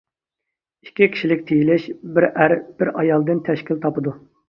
ئىككى كىشىلىك تېيىلىش بىر ئەر، بىر ئايالدىن تەشكىل تاپىدۇ.